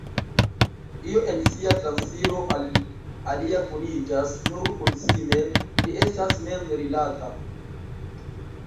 Io en sia transiro al alia kuniĝas nur kun si mem, ĝi estas mem-rilata.